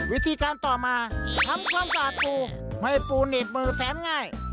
วิธีการต่อมาทำความสะอาดปูไม่ปูหนีบมือแสนง่าย